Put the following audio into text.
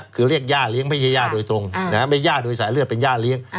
คือเรียกย่าเลี้ยงไม่ใช่ย่าโดยตรงไม่ย่าโดยสายเลือดเป็นย่าเลี้ยง